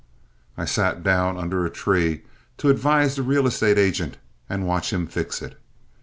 I sat down under a tree to advise the real estate agent and watch him fix it.